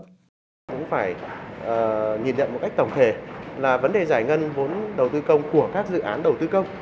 chúng phải nhìn nhận một cách tổng thể là vấn đề giải ngân vốn đầu tư công của các dự án đầu tư công